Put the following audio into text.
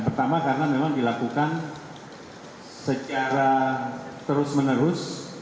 pertama karena memang dilakukan secara terus menerus